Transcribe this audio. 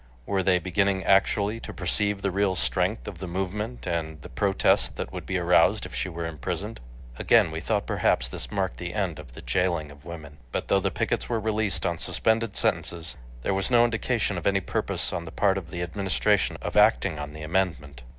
Were they beginning actually to perceive the real strength of the movement and the protest that would be aroused if she were imprisoned? Again we thought perhaps this marked the end of the jailing of women. But though the pickets were released on suspended sentences, there was no indication of any purpose on the part of the Administration of acting on the amendment.